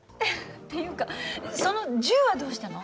っていうかその銃はどうしたの？